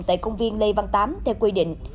tại công viên lê văn tám theo quy định